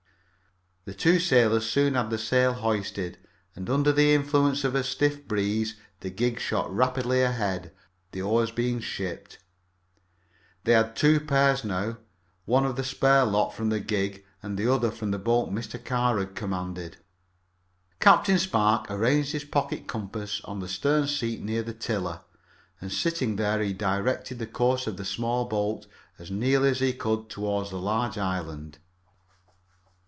The two sailors soon had the sail hoisted, and under the influence of a stiff breeze the gig shot rapidly ahead, the oars being shipped. They had two pairs now, one the spare lot from the gig and the other from the boat Mr. Carr had commanded. Captain Spark arranged his pocket compass on the stern seat near the tiller, and sitting there he directed the course of the small boat as nearly as he could toward the large island.